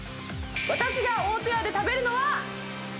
私が大戸屋で食べるのは。